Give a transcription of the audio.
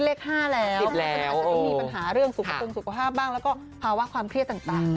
ติดแล้วโอ้ยพี่หนุ่มอย่างนี้อากาศจะต้องมีปัญหาเรื่องซุปกรณ์สุขภาพบ้างแล้วก็ภาวะความเครียดต่าง